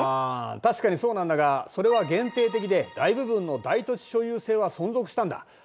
あ確かにそうなんだがそれは限定的で大部分の大土地所有制は存続したんだ。